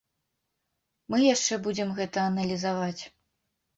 Мы яшчэ будзем гэта аналізаваць.